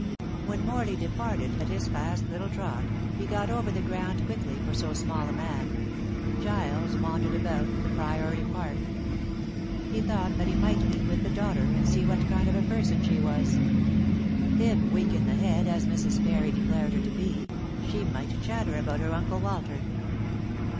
When Morley departed at his fast little trot he got over the ground quickly for so small a man Giles wandered about the Priory park. He thought that he might meet with the daughter, and see what kind of a person she was. If weak in the head, as Mrs. Parry declared her to be, she might chatter about her Uncle Walter.